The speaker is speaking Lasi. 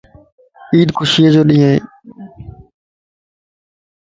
عيد خوشيءَ جو ڏينھن ائي